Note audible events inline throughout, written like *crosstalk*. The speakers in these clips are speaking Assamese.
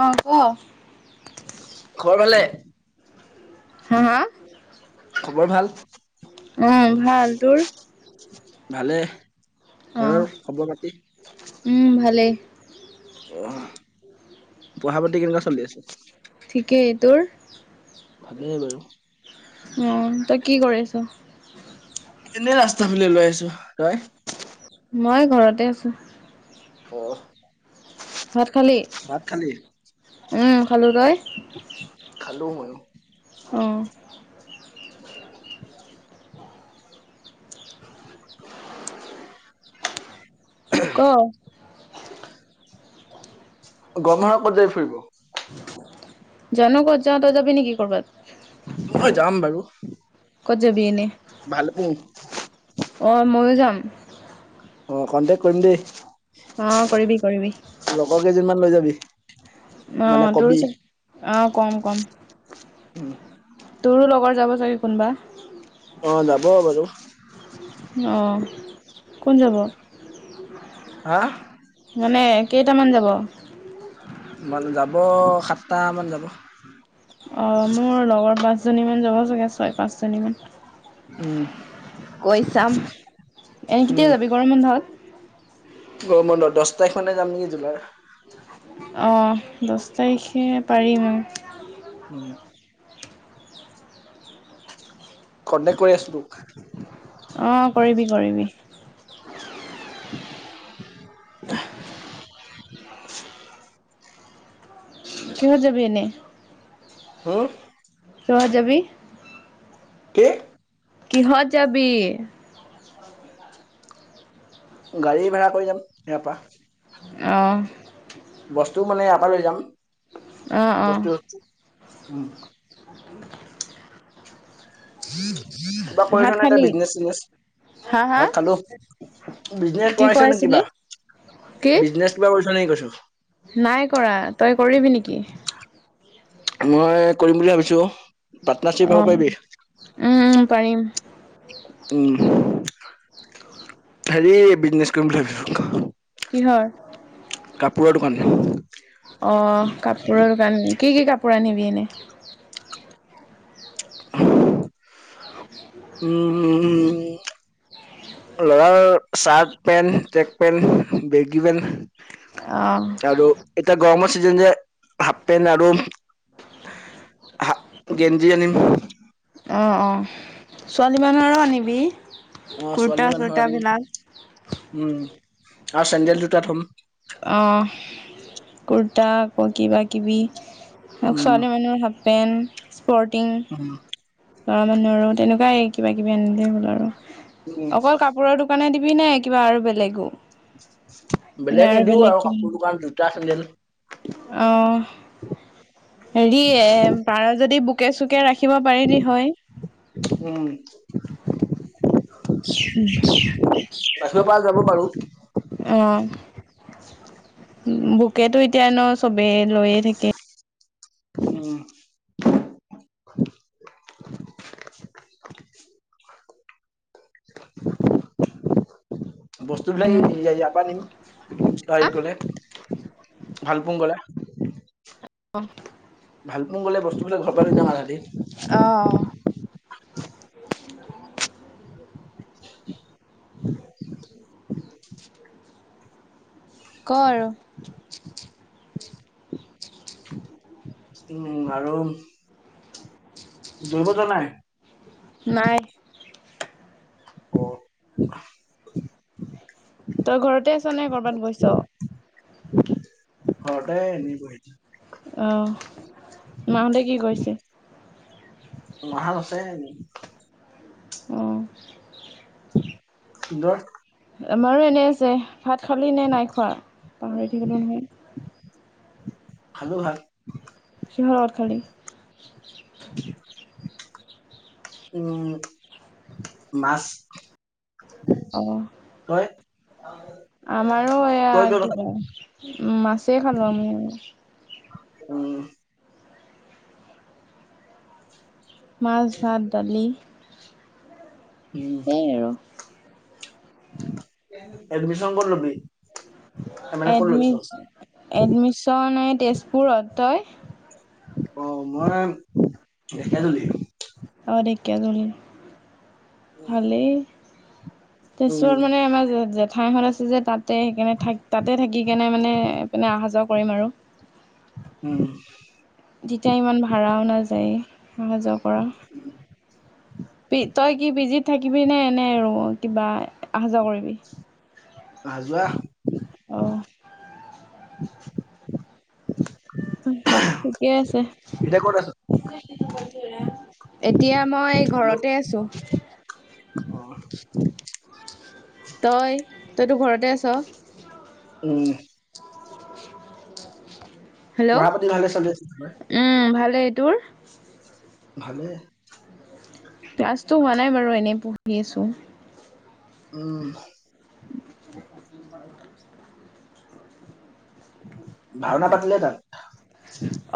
অঁ ক খৰ ভালে হা হা খবৰ ভাল ুতোৰ ভালে অ ঘৰৰ খবৰ পাতি উম ভালেই অ পঢ়া প কেনেকুৱা চলি আছে ঠিকেই তোৰ ভালেই বাৰু অ তই কি কৰি আছ এনে ৰাস্তা ফালে লৈ আছো ৰই মই ঘৰতে আছোঁ অ ভাত খালি ভাত খালি? উম খালো তই খালো ময়ো অ *unintelligible* ক গমমাৰ ক'ত যায় ফুৰিব জানো ক'ত যাও তই যাবি নেকি কৰবাত মই যাম বাৰু কত যাবি এনে হয় অ ময়ো যাম অ কনটেক্ট কৰিম দেই অ কৰিবি কৰিবি লগৰ কেইজনমান লৈ যাবি মানে আহ তোৰ কবি আহ কম কম তোৰো লগৰ যাব চাগৈ কোনোবা অঁ যাব বাৰু অঁ কোন যাব হা মানে কেইটামান যাব মানে যাব সাতটা মান যাব অঁ মোৰ লগৰ পাঁচজনীমান যাব চাগে ছয় পাঁচজনীমান উম *inaudible* কৈ চাম এনে উম কেতিয়া যাবি গৰম বন্ধত গৰমবন্ধ দছ তাৰিখনে যাম নিকি জুলাইৰ অঁ দছ তাৰিখে পাৰিম- অ- উম কণ্টেক্ কৰি আছো তোক অ কৰিবি কৰিবি *unintelligible* কিহত যাবি এনে হম কিহত যাবি কি কিহত যাবি গাড়ী ভাড়া কৰি যাম ইয়াৰ পা- অহঁ বস্তু মানে ইয়াৰ পৰা লৈ যাম অঁ অঁ বস্তু উম কিবা কৰিছ ভাত নে তই খালি বিজনেচ চিজনেচ হা হা ভাত খালো বিজনেচ কি কৰাইছ কৈ নে আছিলি কিবা কি বিজনেচ কিবা কৰিছ নেকি কৈছো নাই কৰা তই কৰিবি নিকি মই কৰিম বুলি ভাবিছো পাৰ্টনাৰশ্বিপ হব অঁ পাৰিবি উম উম পাৰিম। উম হেৰি বিজনেচ কৰিম বুলি ভাবিছো কিহৰ কাপোৰৰ দোকান অহ কাপোৰৰ দোকান কি কি কাপোৰ আনিবি এনে *unintelligible* উম উমমম ল'ৰাৰ shirt, pant, track pant, baggy pant অঁ আৰু এতিয়া গৰমৰ চিজন যে হাফ পেণ্ট আৰু গেঞ্জী আনিম অঁ অঁ ছোৱালী মানুহৰো আনিবি অ কুৰ্তা ছোৱালী মানুহৰ আনিম চুৰ্তাবিলাক। উম আৰু চেণ্ডেল, জোতা থ'ম অ কুৰ্তা আকৌ কিবা কিবি উম। ছোৱালী মানুহৰ হাপ পেণ্ট, স্পৰ্টিং মানুহৰো তেনেকুৱাই কিবা কিবি আনিলেই হ'ল আৰু উম অকল কাপোৰৰ দোকানে দিবি ই নাই কিবা আৰু বেলেগো বেলেগ নিদিও আৰু কাপোৰ দোকান জোতা, চেন্দেল অ *unintelligible* হেৰি পাৰ যদি বোকে চোকে ৰাখিব পাৰিলি হয় উম বাচিব পৰা যাব বাৰু অহ বোকেতো এতিয়া ন চবেই লৈয়ে থাকে। উম *unintelligible* *unintelligible* বস্তু বিলাক নো ইই ইয়া পা নিম গাড়ীত গলে ভাল পুং গলে অ ভাল পোং গ'লে বস্তুবিলাক ঘৰ নিব হিহতি অ' অ' *inaudible* কৰ উম আৰু? ঢোল বজা নাই? নাই অ তই ঘৰতে আছ নে ক'ৰবাত গৈছ? ঘৰতে এনেই বহি আছোঁ। অ' মাহঁতে কি কৰিছে? মাহঁত আছে অঁ সুন্দৰ আমাৰো এনেই আছে। ভাত খালি নে নাই খোৱা পাহৰি থাকিলো নহয়। খালো ভাত। কিহৰ লগত খালি? *inaudible* উম মাছ, অ তই? আমাৰো তই এয়া কিয় কিবা নাখালি উম মাছেই খালো আমি। উম মাছ ভাত দালি এই আৰু এডমিশ্যন ক'ত ল'বি? মানে ক'ত লৈছ? এডমি এডমিশ্যন এই তেজপুৰত, তই? অ' মই ঢেকিয়াজুলিৰ অ ঢেকীয়াজুলি, ভালেই! উম তেজপুৰত মানে আমাৰ জে জেঠাইহঁত আছে যে তাত। তে সেইকাৰণে থাক তাতে থাকি কিনে মানে এইপিনে অহা যোৱা কৰিম আৰু উম তেতিয়া ইমান ভাড়াও নাযায়। অহা-যোৱা কৰা, প তই কি পিজিত থাকিবি নে নে অ' কিবা আহা-যোৱা কৰিবি? আহা-যোৱা অঁ ঠিকেই আছে। এতিয়া ক'ত আছ? এতিয়া মই হেল্ল' ঘৰতে আছো। অ তই তইতো ঘৰতে আছ? উম হেল্ল', পঢ়া পাতি ভালে চলি আছে চবৰে? উম ভালেই তোৰ? ভালে ক্লাছটো হোৱা নাই বাৰু এনেই পঢ়ি আছোঁ। উম *inaudible* ভাওনা পাতিলে তাত?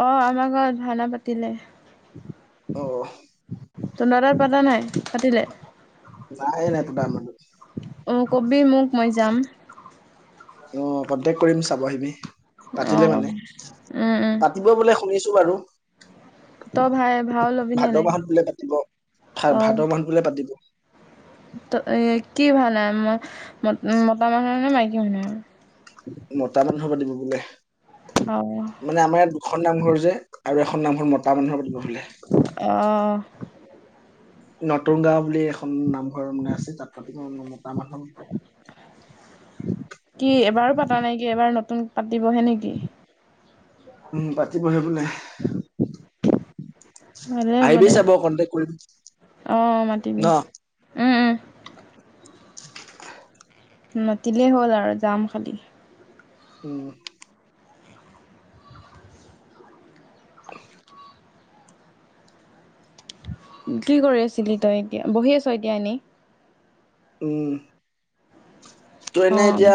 অ' আমাৰ ঘৰত ভাওানা পাতিলে। অহ! তহঁতৰ তাত পাতা নাই পাতিলে? নাই নাই পতা আমাৰ ঘৰত অ' কবি মোক মই যাম অ' কণ্টেক্ট কৰিম চাব আহিবি পাতিলে অঁ মানে, উম উম পাতিব বোলে শুনিছো বাৰু। তই ভাই ভাও ল'বি নে ভাদ নাই? মাহত বোলে পাতিব ভা অঁ ভাদ মাহত বোলে পাতিব। ত কি ভাল, ম, মতা মানুহ নে মাইকী মানুৰ? মতা মানুহৰ *unintelligible* দিব বোলে। অঁ। এখন নামঘৰ যে আৰু এখন নামঘৰ মতা মানুহৰ। *unintelligible* অহ। নতুন গাওঁ বুলি এখন নামঘৰ মানে আছে তাত পাতি ম মতা মানুহ *unintelligible* কি এবাৰো পতা নাইকি, এবাৰ নতুন পাতিবহে নেকি? উম, পাতিবহে বোলে। আহিবি চাব কনটেকট কৰিম। অঁ, মাতিবি। উম, উম। *inaudible* মাতিলেই হ'ল আৰু যাম খালি। উম। *inaudible* কি কৰি আছিলি তই এতিয়া? বহি আছ এতিয়া এনি? উম। ত এনে অ', এতিয়া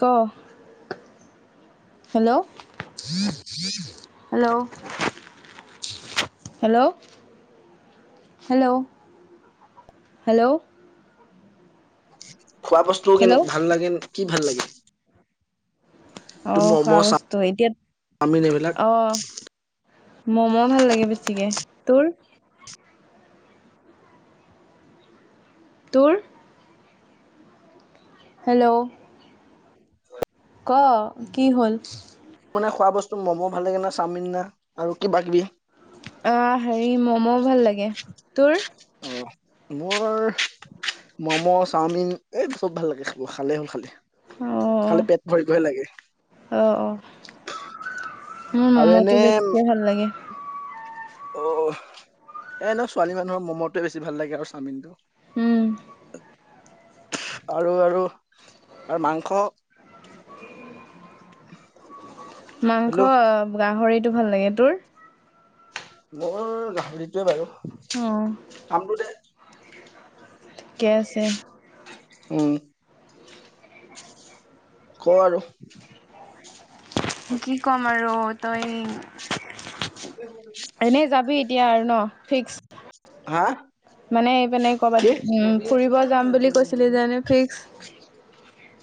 ক? Hello? Hello? Hello? Hello, hello? খোৱা বস্তু কেনো হেল্ল' ভাল লাগে, কি ভাল লাগে? তোৰ অ', খোৱা ম'ম' বস্তু এতিয়া, চাওমিন এইবিলাক? অহ। ম'ম ভাল লাগে বেছিকে। তোৰ? তোৰ? হেল্ল'? ক, কি হ'ল? মানে খোৱা বস্তু ম'ম' ভাল লাগে না চাওমিন না আৰু কিবা কিবি? অহ, হেৰি ম'ম ভাল লাগে। তোৰ? অ, মোৰ ম'ম, চাওমিন, এই চব ভাল লাগে খাব খালেই হ'ল খালেই। খালে অ', পেট ভৰিবইে লাগে। অ অ মোৰ আৰু ম'মটো বেছিয়ে ভাল লাগে। অঁ, এ এনেও ছোৱালী মানুহৰ ম'মটোৱে বেছি ভাল লাগে আৰু চাওমিনটো। উম। আৰু আৰু আৰু মাংস মাংস হেল্ল' গাহৰিটো ভাল লাগে। তোৰ? মোৰ গাহৰিটোৱে বাৰু। অ কামটো দে ঠিকে আছে। উম। ক আৰু? কি ক'ম আৰু, তই এনেই যাবি *unintelligible* এতিয়া আৰু ন? হা ফিক্স। মানে এইপানে কি? কৰবাত উম ফুৰিব যাম বুলি কৈছ চিল যানে ফিক্স।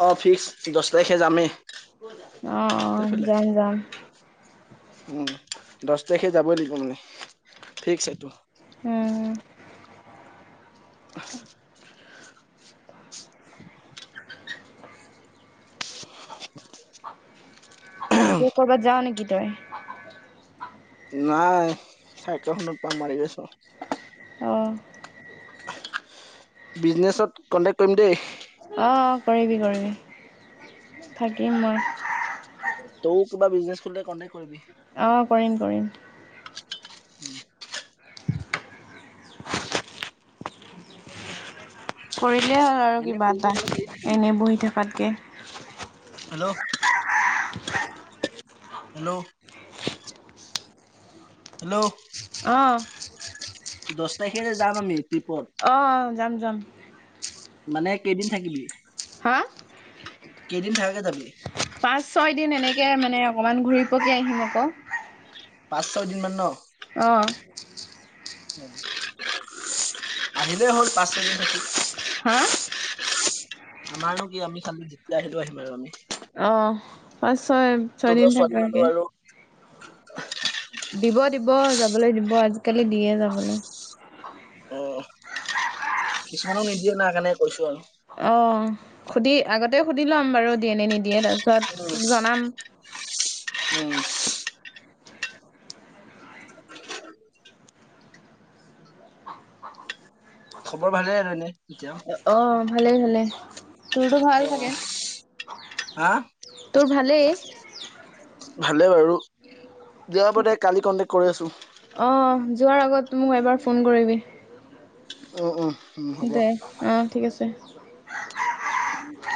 অ', ফিক্স, দহ তাৰিখে যামেই। অ', অ', যাম যাম। উ দহ তাৰিখে যাবই লকিব মানে। ফিক্স সেইতো। উম এতিয়া কৰবাত যাও নেকি তই নাই চাইকেলখনত পাম মাৰি গৈছো অঁ বিজনেছত কন্টেকট কৰিম দেই অ অ কৰিবি কৰিবি থাকিম মই তৌ কিবা বিজনেছ খুললে কণ্ডে্ট কৰিবি অঁ কৰিম কৰিম উম কৰিলেই হ'ল আৰু এনে কিবা ফুৰিব এটা গ'লে কেইদিন থাকিবি এনেই বহি থকাতকৈ হেল্ল' হেল্ল' হেল্ল' অঁ দহ তাৰিখে যাম আমি ট্ৰিপত অ যাম যাম মানে কেইদিন থাকিবি হা কেইদিন থাকাকে তমি পাঁচ ছয় দিন এনেকে মানে অকমান ঘূৰি পকি আহিম আকৌ পাঁচ ছয় দিন মান ন অ আহিলেই হ'ল পাঁচটা দিন থাকি হা আমাৰনো কি আমি খালি যেতিয়া আহিলো আহিম আৰু আমি অ পাঁচ ছয় ছয়দিন তহঁতৰ ছোৱালী মানুহ থাককে *unintelligible* দিব দিব যাবলৈ দিব আজিকালি দিয়ে ন হলে অ কিছুমানক নিদিয়ে ন কাৰণে কৈছো আৰু অ সুধি আগতে সুধি লম বাৰু দিয়ে নে নিদিয়ে তাৰপিছত আৰু তোক জনাম উম খবৰ ভালে আৰু এনে এতিয়া অ ভালেই ভালে তোৰতো ভাল অ, চাগে হা তোৰ ভালেই হলে বাৰু যাব দে কালি কন্টেক কৰি আছো অ যোৱাৰ আগত মোক এবাৰ ফোন কৰিবি অ অ দে আহ ঠিক আছে